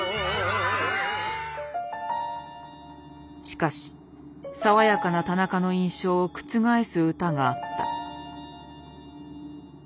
しかし爽やかな田中の印象を覆す歌があった。